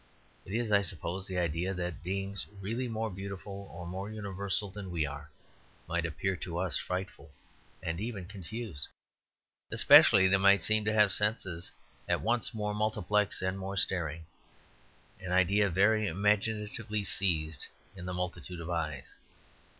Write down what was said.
It is, I suppose, the idea that beings really more beautiful or more universal than we are might appear to us frightful and even confused. Especially they might seem to have senses at once more multiplex and more staring; an idea very imaginatively seized in the multitude of eyes.